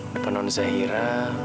depan nona zahira